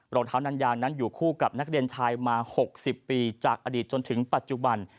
รองเท้านันยางนั้นอยู่คู่กับนักเรียนชายมา๖๐ปีจากอดีตจนถึงปัจจุบัน